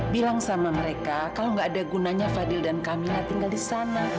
bilang sama mereka kalau nggak ada gunanya fadil dan kami tinggal di sana